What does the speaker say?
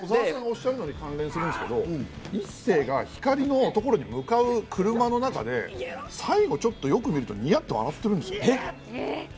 関連するんですけど、一星が光莉の所に向かう車の中で最後ちょっと、よく見るとニヤっと笑ってるんです。